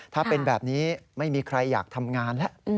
ถ้าเป็นแบบนี้ไม่มีใครอยากทำงานแล้ว